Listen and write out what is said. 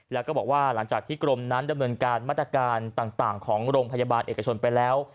แล้วก็บอกว่าหลังจากที่กรมนั้นดำเนินการมาตรการต่างของโรงพยาบาลเอกชนไปแล้ว